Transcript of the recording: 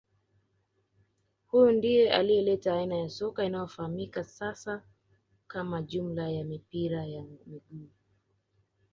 Huyu ndiye aliyeleta aina ya soka inayofahamika sasa kama jumla ya mipira ya miguu